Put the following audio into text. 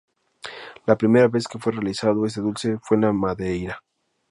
La primera vez que fue realizado este dulce fue en la Madeira.